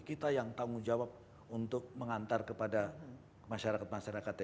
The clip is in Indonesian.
kita yang tanggung jawab untuk mengantar kepada masyarakat masyarakat